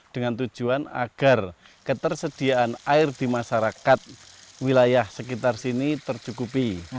dengan tujuan agar ketersediaan air di masyarakat wilayah sekitar sini tercukupi